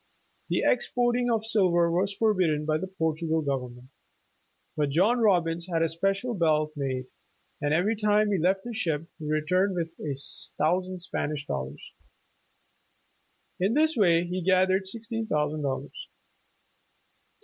The exporting of silver was forbidden by the Portugal government, but John Robbins had a special belt made, and every time he left the ship, he returned with a thousand Spanish dollars. In this way he gathered sixteen thousand dollars.